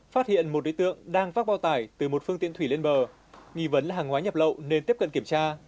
phát hiện một đối tượng đang phát bao tải từ một phương tiện thủy lên bờ nghi vấn là hàng hóa nhập lậu nên tiếp cận kiểm tra